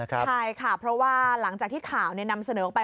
ใช่ค่ะเพราะว่าหลังจากที่ข่าวนำเสนอออกไป